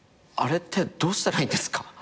あれってどうしたらいいんですか？